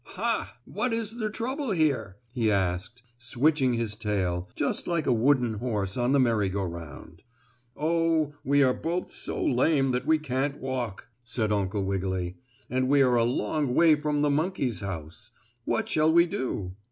"Ha! What is the trouble here?" he asked, switching his tail, just like a wooden horse on the merry go round. "Oh, we are both so lame that we can't walk," said Uncle Wiggily, "and we are a long way from the monkey's house. What shall we do?"